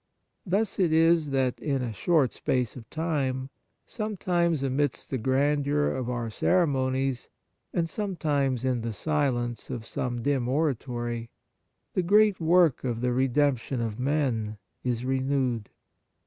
Thus it is that in a short space of time, sometimes amidst the grandeur of our ceremonies, and sometimes in the silence of some dim oratory, the great work of the redemption of men is renewed.